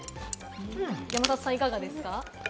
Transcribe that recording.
山里さん、いかがですか？